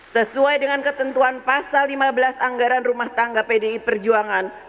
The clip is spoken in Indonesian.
sesuai dengan ketentuan pasal lima belas anggaran rumah tangga pdi perjuangan